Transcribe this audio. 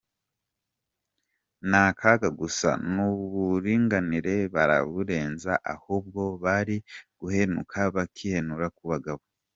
N’akaga gusa, nuburinganire baraburenze ahubwo bari guhenuka bakihenura ku bagabo.